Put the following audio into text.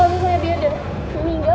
kalau misalnya dia meninggal